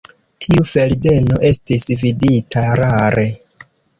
Tiu delfeno estis vidita rare.